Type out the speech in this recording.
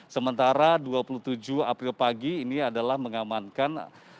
sementara dua puluh tujuh april pagi ini adalah mengamankan